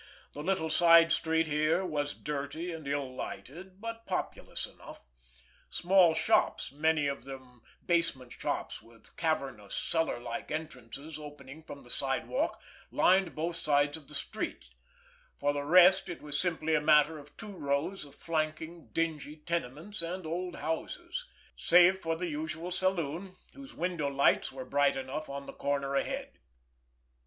The little side street here was dirty and ill lighted, but populous enough. Small shops, many of them basement shops with cavernous, cellar like entrances opening from the sidewalk, lined both sides of the street; for the rest, it was simply a matter of two rows of flanking, dingy tenements and old houses—save for the usual saloon, whose window lights were bright enough on the corner ahead.